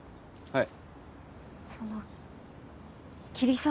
はい！